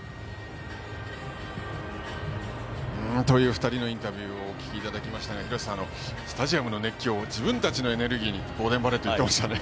２人のインタビューをお聞きいただきましたが廣瀬さん、スタジアムの熱気を自分たちのエネルギーにとボーデン・バレットが言ってましたね。